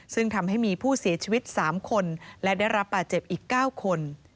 ซึ่งทำให้มีผู้เสียชีวิต๓คนและได้รับบาดเจ็บอีก๙คน